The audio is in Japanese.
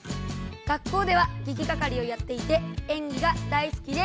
学校ではげきがかりをやっていて演技が大好きです。